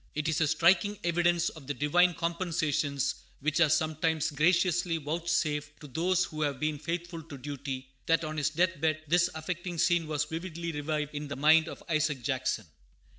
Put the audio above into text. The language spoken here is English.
It is a striking evidence of the divine compensations which are sometimes graciously vouchsafed to those who have been faithful to duty, that on his death bed this affecting scene was vividly revived in the mind of Isaac Jackson.